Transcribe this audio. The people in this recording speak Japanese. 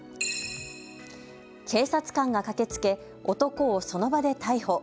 警察官が駆けつけ男をその場で逮捕。